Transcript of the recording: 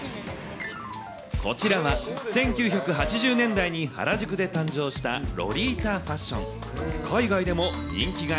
こちらは、１９８０年代に原宿で誕生したロリータファッション。